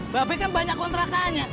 babe kan banyak kontrakannya